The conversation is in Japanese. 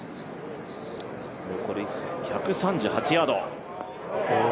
残り１３８ヤード。